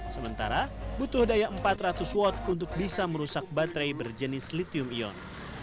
sementara butuh daya empat ratus watt untuk bisa merusak baterai berjenis lithium ion